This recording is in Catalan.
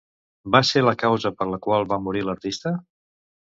Va ser la causa per la qual va morir l'artista?